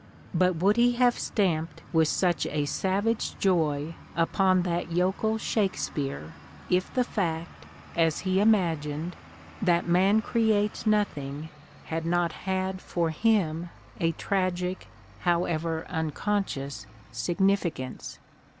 But would he have stamped with such a savage joy upon that yokel Shake speare if the fact, as he imagined, that man creates nothing had not had for him a tragic, however uncon scious, significance?